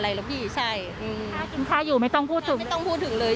ไหนที่จะค่าคอนโดอีกมันไม่เหลืออะไรแล้วพี่ใช่